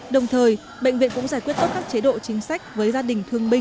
đồng thời bệnh viện cũng giải quyết tốt các chế độ chính sách với gia đình thương binh